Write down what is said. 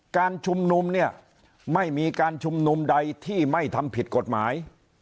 การชุมนุมเนี่ยไม่มีการชุมนุมใดที่ไม่ทำผิดกฎหมาย